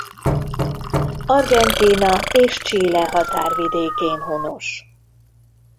Argentína és Chile határvidékén honos.